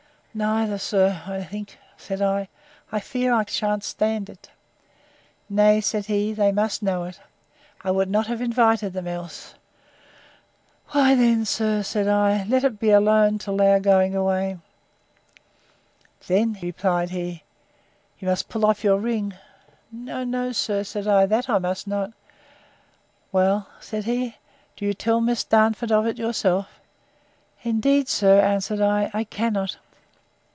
—Neither, sir, I think, said I, I fear I shan't stand it.—Nay, said he, they must know it; I would not have invited them else.—Why then, sir, said I, let it alone till they are going away.—Then, replied he, you must pull off your ring. No, no, sir, said I, that I must not.—Well, said he, do you tell Miss Darnford of it yourself.—Indeed, sir, answered I, I cannot.